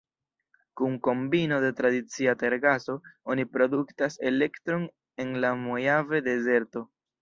Kun kombino de tradicia tergaso, oni produktas elektron en la Mojave-dezerto.